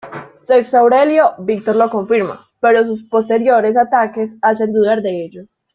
Sexto Aurelio Víctor lo confirma, pero sus posteriores ataques hacen dudar de ello.